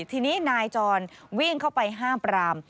ทีนี้นายจรวิ่งเข้าไปห้ามปราม